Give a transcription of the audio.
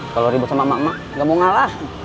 kalau ribet sama emak emak gak mau ngalah